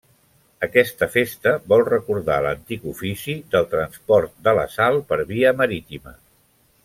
Aquesta festa vol recordar l'antic ofici del transport de la sal per via marítima.